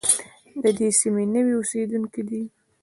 د دې سیمې نوي اوسېدونکي دي.